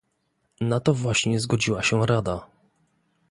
Na to właśnie zgodziła się Rada